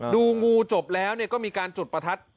ดูงูจบแล้วก็มีการจุดประทัด